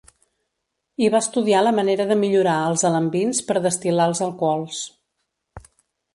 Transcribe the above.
I va estudiar la manera de millorar els alambins per destil·lar els alcohols.